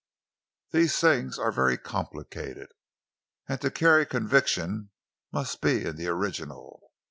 These things are very complicated, and to carry conviction must be in the original.